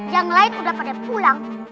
yang lain udah pada pulang